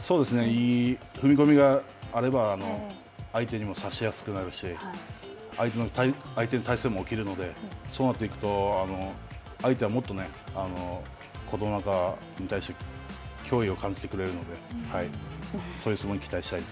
いい踏み込みがあれば、相手にも差しやすくなるし、相手の体勢も起きるので、そうなっていくと、相手はもっとね、琴ノ若に対して、脅威を感じてくれるので、はい。